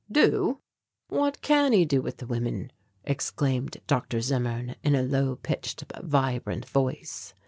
"Do? What can he do with the women?" exclaimed Dr. Zimmern in a low pitched but vibrant voice.